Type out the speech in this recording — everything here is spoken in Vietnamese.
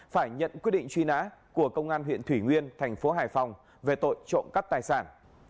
phải nhận quyết định truy nã của công an huyện thủy nguyên thành phố hải phòng về tội trộm cắp tài sản